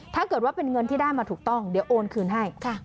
ถ้าเกิดว่าเป็นเงินที่ได้มาถูกต้องเดี๋ยวโอนคืนให้